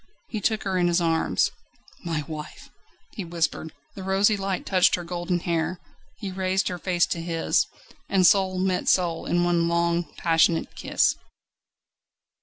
He took her in his arms. "My wife!" he whispered. The rosy light touched her golden hair; he raised her face to his, and soul met soul in one long, passionate kiss.